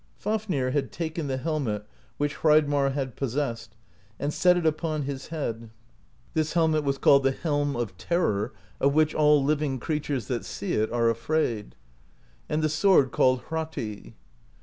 Fafnir had taken the helmet which Hreidmarr had possessed, and set it upon his head (this helmet was THE POESY OF SKALDS 153 called the Helm of Terror, of which all living creatures that see it are afraid), and the sword called Hrotti.